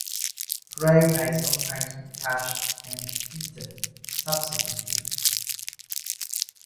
Prey may sometimes be cached and eaten subsequently.